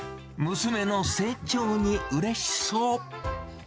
娘の成長にうれしそう。